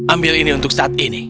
ambil ini untuk saat ini